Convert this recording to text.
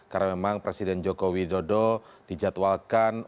karena memang presiden joko widodo dijadwalkan